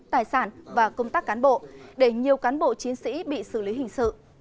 tài sản và công tác cán bộ để nhiều cán bộ chiến sĩ bị xử lý hình sự